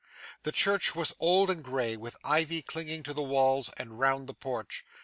The church was old and grey, with ivy clinging to the walls, and round the porch.